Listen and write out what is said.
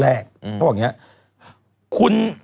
ได้ออกงั้น